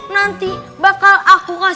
nanti bakal aku kasih uang